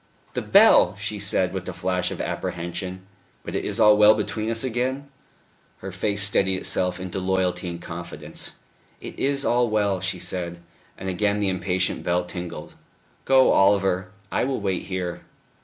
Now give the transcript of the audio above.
"The bell!" she said, with a flash of apprehension. "But it is all well between us again?" Her face steadied itself into loyalty and confidence. "It is all well," she said; and again the impatient bell tingled. "Go, Oliver; I will wait here."